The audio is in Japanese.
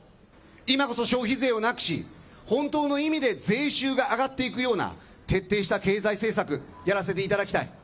今こそ消費税をなくし本当の意味で税収が上がっていくような徹底した経済政策やらせていただきたい。